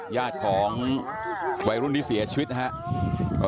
ญาติของวัยรุ่นที่เสียชีวิตนะครับ